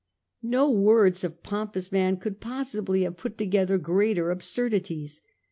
No words of pompous man could possibly have put together greater absurdities.